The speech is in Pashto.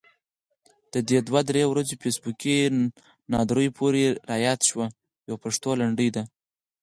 د دې دوه درې ورځو فیسبوکي ناندريو پورې رایاده شوه، يوه پښتو لنډۍ ده: